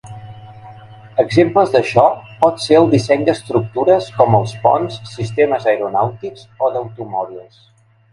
Exemples d'això pot ser el disseny d'estructures com els ponts, sistemes aeronàutics o d'automòbils.